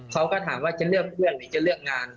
เขาก็ถามว่าจะเลือกเพื่อนหรือจะเลือกงาน